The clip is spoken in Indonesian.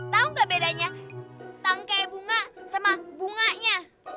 tau gak bedanya tangke bunga sama bunganya